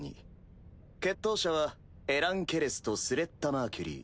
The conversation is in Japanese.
決闘者はエラン・ケレスとスレッタ・マーキュリー。